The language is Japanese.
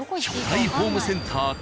巨大ホームセンター